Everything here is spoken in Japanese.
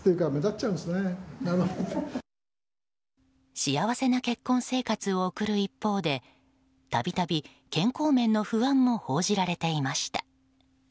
幸せな結婚生活を送る一方で度々、健康面の不安も報じられていました。